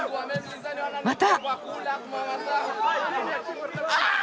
また！